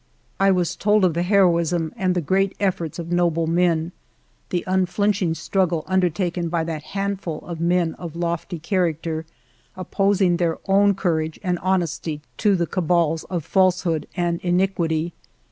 I was told of the heroism and the great efforts of noble men ; the unflinching struggle under taken by that handful of men of lofty character, opposing their own courage and honesty to the cabals of falsehood and iniquity.